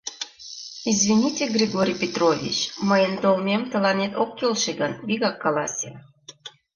— Извините, Григорий Петрович, мыйын толмем тыланет ок келше гын, вигак каласе.